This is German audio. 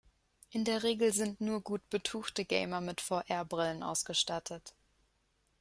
In der Regel sind nur gut betuchte Gamer mit VR-Brillen ausgestattet.